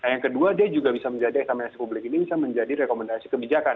yang kedua dia juga bisa menjadi eksaminasi publik ini bisa menjadi rekomendasi kebijakan